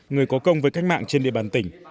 người có công với cách mạng trên địa bàn tỉnh